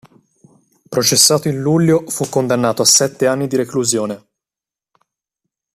Processato in luglio, fu condannato a sette anni di reclusione.